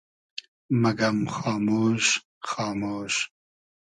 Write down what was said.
مئگئم خامۉش خامۉش